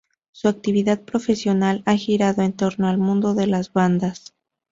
Su actividad profesional ha girado en torno al mundo de las bandas.